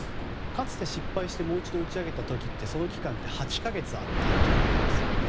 かつて失敗してもう一度打ち上げた時ってその期間は８か月あったということですよね。